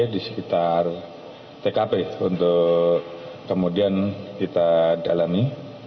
di sekitar tkp untuk kemudian kita dalami